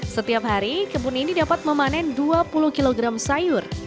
setiap hari kebun ini dapat memanen dua puluh kg sayur